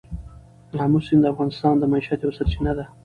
آمو سیند د افغانانو د معیشت یوه سرچینه ده.